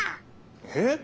えっ？